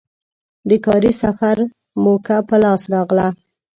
د کاري سفر موکه په لاس راغله.